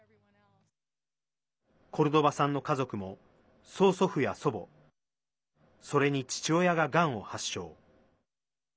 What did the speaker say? コルドバさんの家族も曽祖父や祖母それに父親が、がんを発症。